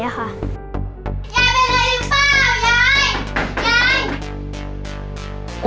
ยายเป็นอะไรหรือเปล่ายายยาย